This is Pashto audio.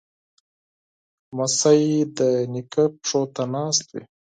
لمسی د نیکه پښو ته ناست وي.